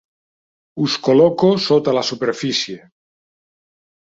Us col·loco sota de la superfície.